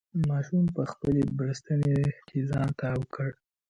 ماشوم په خپلې بړستنې کې ځان تاو کړ.